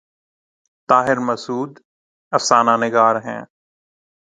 طاہر مسعود افسانہ نگار ہیں۔